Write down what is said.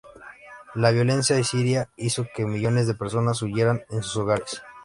La violencia en Siria hizo que millones de personas huyeran de sus hogares.